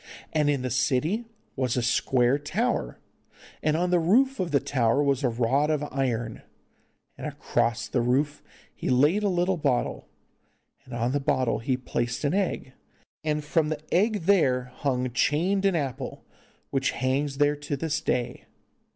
And in the city was a square tower, and on the roof of the tower was a rod of iron, and across the rod he laid a bottle, and on the bottle he placed an egg, and from the egg there hung chained an apple, which hangs there to this day.